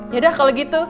yaudah kalau gitu